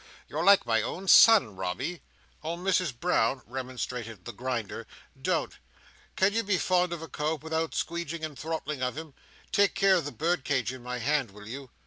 You're like my own son, Robby!" "Oh! Misses Brown!" remonstrated the Grinder. "Don't! Can't you be fond of a cove without squeedging and throttling of him? Take care of the birdcage in my hand, will you?"